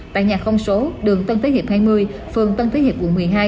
tại nhà không số đường tân thế hiệp hai mươi phường tân thế hiệp quận một mươi hai